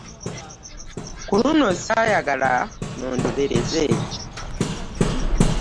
Ku luno saayagala nnondobereze.